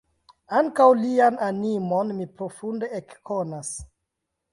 Ankaŭ lian animon ni profunde ekkonas.